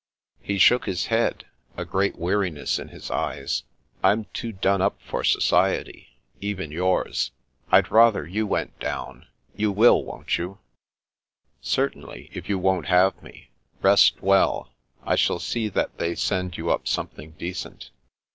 He shook his head, a great weariness in his eyes. " I'm too done up for society, even yours. Td ratfier you went down. You will, won't you ?"" Certainly, if you won't have me. Rest well. I shall see that they send you up something decent."